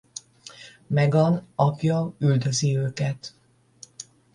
Megan apja üldözi őket.